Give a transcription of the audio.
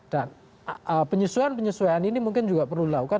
dan penyesuaian penyesuaian ini mungkin juga perlu dilakukan